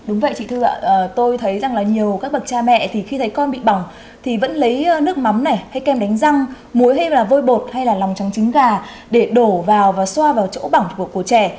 đúng vậy chị thưa tôi thấy rằng là nhiều các bậc cha mẹ thì khi thấy con bị bỏng thì vẫn lấy nước mắm này hay kem đánh răng muối hay là vôi bột hay là lòng trắng trứng gà để đổ vào và xoa vào chỗ bỏng của trẻ